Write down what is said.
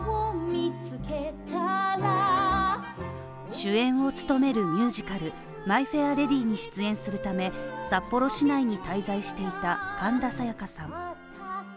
主演を務めるミュージカル「マイ・フェア・レディ」に出演するため札幌市内に滞在していた神田沙也加さん。